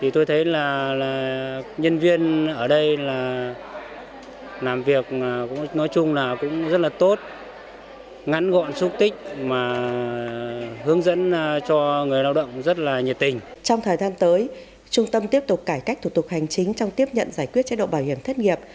trong thời gian tới trung tâm tiếp tục cải cách thủ tục hành chính trong tiếp nhận giải quyết chế độ bảo hiểm thất nghiệp